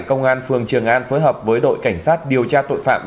công an phường trường an phối hợp với đội cảnh sát điều tra tội phạm